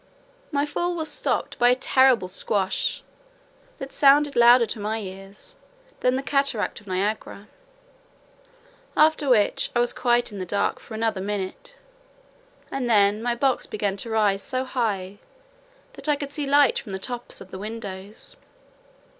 My fall was stopped by a terrible squash, that sounded louder to my ears than the cataract of Niagara; after which, I was quite in the dark for another minute, and then my box began to rise so high, that I could see light from the tops of the windows.